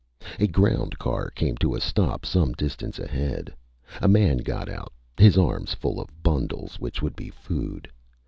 A ground car came to a stop some distance ahead. A man got out, his arms full of bundles which would be food.